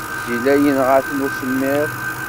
Yella yenɣa-tent usemmiḍ.